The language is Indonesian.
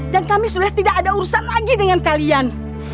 kami sudah tidak ada urusan lagi dengan kalian